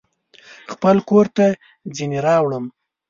خپل کورته ځینې راوړم